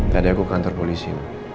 tadi aku kantor polisi